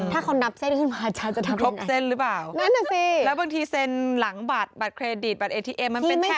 ถ้าคนนับเส้นขึ้นมาอาจารย์จะทำให้ไหนค่ะ